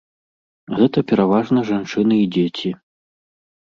Гэта пераважна жанчыны і дзеці.